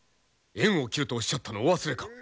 縁を切る」とおっしゃったのをお忘れか。